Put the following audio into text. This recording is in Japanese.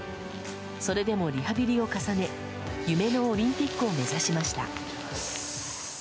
それでもリハビリを重ね夢のオリンピックを目指しました。